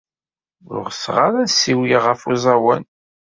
Ur ɣseɣ ara ad ssiwleɣ ɣef uẓawan.